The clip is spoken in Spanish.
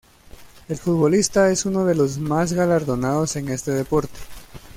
El futbolista es uno de los más galardonados en este deporte.